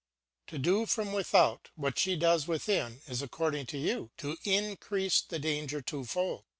To do from without what she does within is according to you to increase the danger twofold.